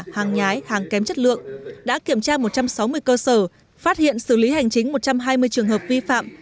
hàng nhái hàng kém chất lượng đã kiểm tra một trăm sáu mươi cơ sở phát hiện xử lý hành chính một trăm hai mươi trường hợp vi phạm